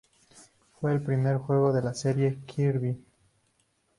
Fue el primer juego de la serie de "Kirby".